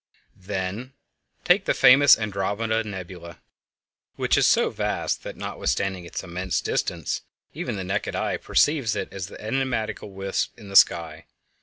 Then take the famous Andromeda Nebula (see Frontispiece), which is so vast that notwithstanding its immense distance even the naked eye perceives it as an enigmatical wisp in the sky.